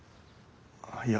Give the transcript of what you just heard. いや。